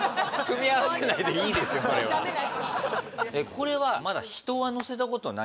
これはまだええ